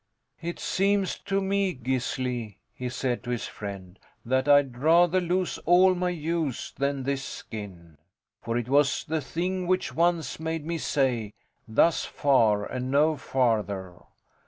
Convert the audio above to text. It seems to me, Gisli, he said to his friend, that I'd rather lose all my ewes than this skin, for it was the thing which once made me say, 'Thus far and no farther!'